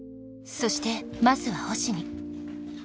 そしてまずは星に。